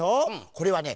これはね